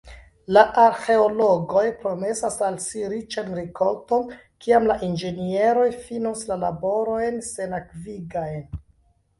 La arĥeologoj promesas al si riĉan rikolton, kiam la inĝenieroj finos la laborojn senakvigajn.